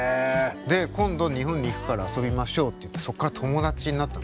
今度日本に行くから遊びましょうっていってそこから友達になったの。